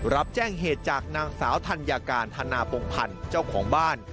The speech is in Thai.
รับแจ้งเหตุจากนางสาวธัญการธนาพงพันธ์เจ้าของบ้าน